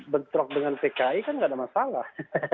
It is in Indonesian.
bentrok dengan pki kan nggak ada masalah